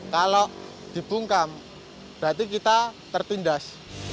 kalau dibungkam berarti kita tertindas